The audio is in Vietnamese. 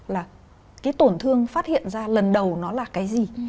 là cái tổn thương phát hiện ra lần đầu nó là cái gì